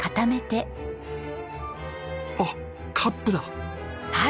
あっカップだ。